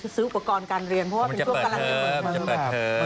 ซื้ออุปกรณ์การเรียนเพราะว่ามันจะเปิดเทิม